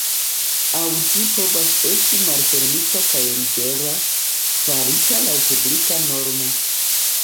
Aŭ ĝi povas esti malfermita kaj libera, farita laŭ publika normo.